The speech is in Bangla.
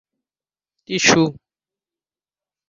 পেশী টিস্যু এই তিন প্রকারের তাদের কাঠামোগত বৈশিষ্ট্য আছে।